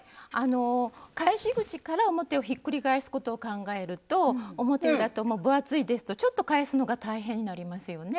返し口から表をひっくり返すことを考えると表裏とも分厚いですとちょっと返すのが大変になりますよね。